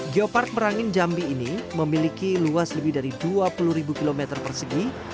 geopark merangin jambi ini memiliki luas lebih dari dua puluh km persegi